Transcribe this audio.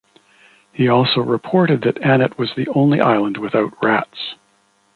He also reported that Annet was the only island without rats.